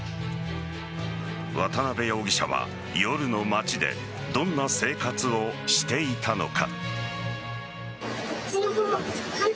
渡辺容疑者は夜の街でどんな生活をしていたのか。